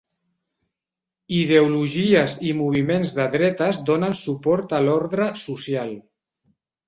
Ideologies i moviments de dretes donen suport a l'ordre social.